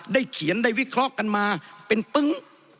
เขียนได้วิเคราะห์กันมาเป็นปึ้ง